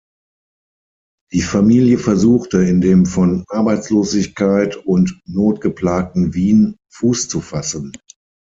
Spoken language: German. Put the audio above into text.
Die Familie versuchte, in dem von Arbeitslosigkeit und Not geplagten Wien Fuß zu fassen.